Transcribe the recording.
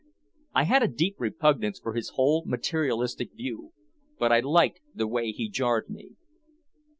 I had a deep repugnance for his whole materialistic view. But I liked the way he jarred me.